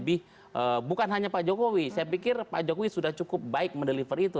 lebih bukan hanya pak jokowi saya pikir pak jokowi sudah cukup baik mendeliver itu